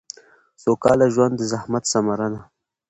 سوکاله ژوند د زحمت ثمره ده